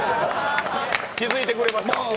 気づいてくれました。